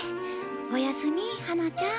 おやすみハナちゃん。